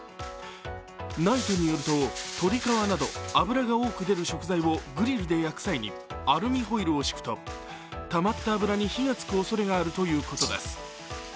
ＮＩＴＥによると、鶏皮など油が多く出る食材をアルミホイルを敷くと、たまった脂に火がつくおそれがあるということです。